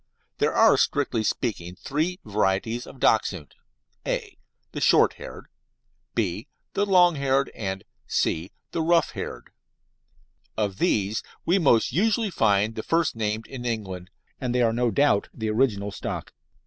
There are, strictly speaking, three varieties of Dachshund (a) the short haired, (b) the long haired, and (c) the rough haired. Of these we most usually find the first named in England, and they are no doubt the original stock.